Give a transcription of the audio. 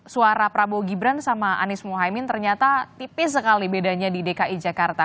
suara prabowo gibran sama anies mohaimin ternyata tipis sekali bedanya di dki jakarta